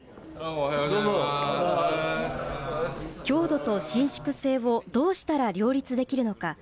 強度と伸縮性をどうしたら両立できるのか。